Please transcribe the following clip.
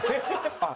あっ！